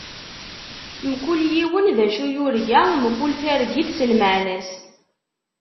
Mkul yiwen d acu yurga, mkul targit s lmeɛna-s.